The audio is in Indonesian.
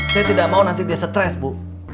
saya tidak mau nanti dia stres bu